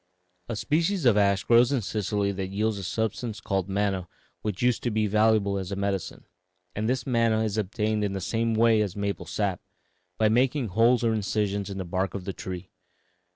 "A species of ash grows in Sicily that yields a substance called manna which used to be valuable as a medicine, and this manna is obtained in the same way as maple sap by making holes or incisions in the bark of the tree.